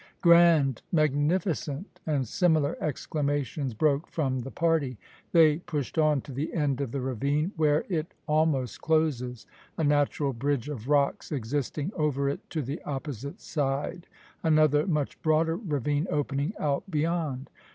"Grand! magnificent!" and similar exclamations broke from the party. They pushed on to the end of the ravine, where it almost closes; a natural bridge of rocks existing over it to the opposite side; another much broader ravine opening out beyond.